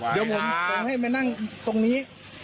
เดี๋ยวผมให้มานั่งตรงนี้